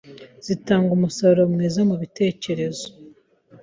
zitanga umusanzu mwiza mu bitekerezo